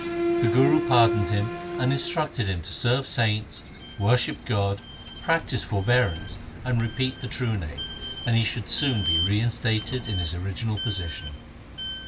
The Guru pardoned him and instructed him to serve saints, worship God, practise forbearance, and repeat the true Name, and he should soon be reinstated in his original position.